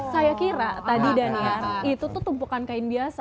saya kira tadi daniar itu tuh tumpukan kain biasa